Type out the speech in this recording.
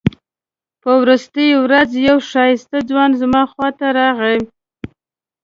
په وروستۍ ورځ یو ښایسته ځوان زما خواته راغی.